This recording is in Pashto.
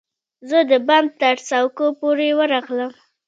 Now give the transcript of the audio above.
زه د بام ترڅوکو پورې ورغلم